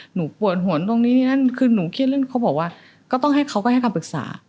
ปวดหวนตรงนี้นี่นั่นคือหนูเครียดเรื่องเขาบอกว่าก็ต้องให้เขาก็ให้คำปรึกษา